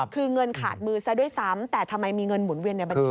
คือเงินขาดมือซะด้วยซ้ำแต่ทำไมมีเงินหมุนเวียนในบัญชี